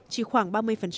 chỉ khoảng ba mươi